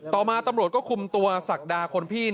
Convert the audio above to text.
ต่อมาตำรวจก็คุมตัวศักดาคนพี่